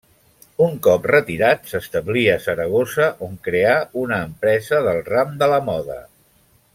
Un cop retirat s'establí a Saragossa on creà una empresa del ram de la moda.